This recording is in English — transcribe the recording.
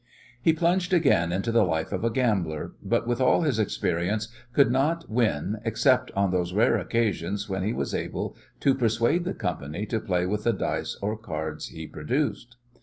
He plunged again into the life of a gambler, but with all his experience could not win except on those rare occasions when he was able to persuade the company to play with the dice or cards he produced.